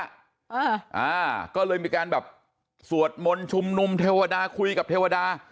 อ่าอ่าก็เลยมีการแบบสวดมนต์ชุมนุมเทวดาคุยกับเทวดา